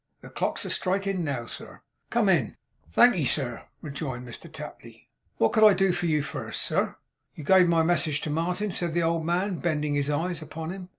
The clock's a striking now, sir.' 'Come in!' 'Thank'ee, sir,' rejoined Mr Tapley, 'what could I do for you first, sir?' 'You gave my message to Martin?' said the old man, bending his eyes upon him.